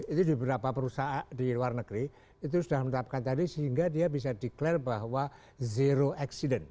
itu di beberapa perusahaan di luar negeri itu sudah menetapkan tadi sehingga dia bisa declare bahwa zero accident